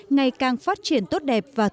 ngày càng phát triển tốt đẹp